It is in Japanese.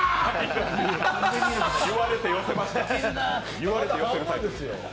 言われて寄せるタイプ。